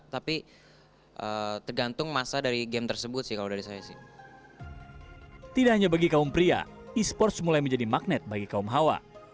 tidak hanya bagi kaum pria e sports mulai menjadi magnet bagi kaum hawa